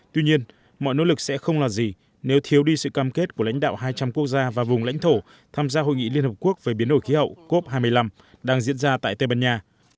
tuy nhiên mọi nỗ lực sẽ không là gì nếu thiếu đi sự cam kết của lãnh đạo hai trăm linh quốc gia và vùng lãnh thổ tham gia hội nghị liên hợp quốc về biến đổi khí hậu cop hai mươi năm đang diễn ra tại tây ban nha